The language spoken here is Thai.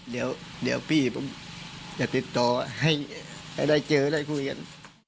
เดี๋ยวพี่ผมจะติดต่อให้ได้เจอได้คุยกัน